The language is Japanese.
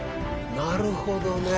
なるほどね！